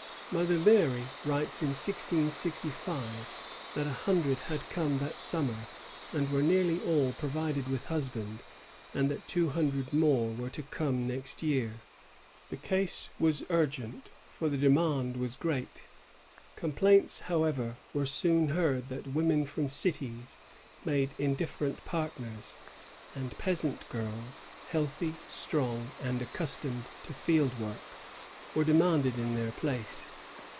Mother Mary writes in 1665 that a hundred had come that summer, and were nearly all provided with husbands, and that two hundred more were to come next year. The case was urgent, for the demand was great. Complaints, however, were soon heard that women from cities made indifferent partners ; and peasant girls, healthy, strong, and accustomed to field work, were demanded in their place.